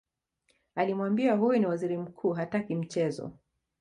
alimwambia huyo ni waziri mkuu hataki mchezo